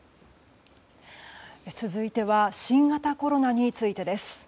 続いては新型コロナについてです。